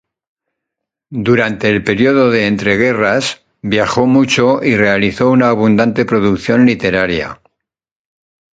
Durante el período de entreguerras, viajó mucho y realizó una abundante producción literaria.